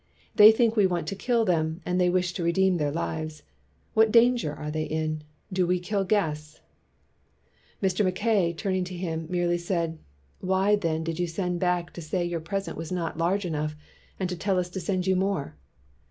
They think we want to kill them, and they wish to redeem their lives. What danger are they in % Do we kill guests %'' Mr. Mackay, turning to him, merely said, "Why, then, did you send back to say your present was not large enough, and to tell us to send you more?"